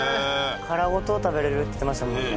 殻ごと食べれるって言ってましたもんね。